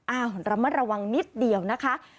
อ้าวระมะระวังนิดเดียวนะคะ